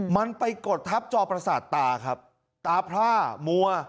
มันไปกดทับจอประสาทตาครับตาพร่ามัว